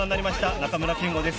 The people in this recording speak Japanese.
中村憲剛です。